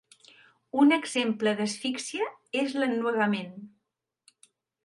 Un exemple d'asfíxia és l'ennuegament.